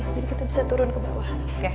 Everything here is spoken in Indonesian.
kita bisa turun ke bawah